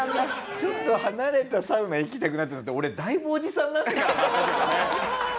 ちょっと離れたサウナ行きたくなったのって俺だいぶおじさんになってからだったけどね。